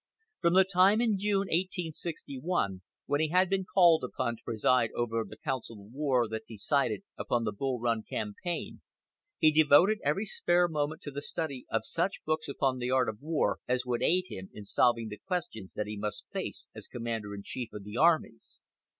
From the time in June, 1861, when he had been called upon to preside over the council of war that decided upon the Bull Run campaign, he devoted every spare moment to the study of such books upon the art of war as would aid him in solving the questions that he must face as Commander in Chief of the armies.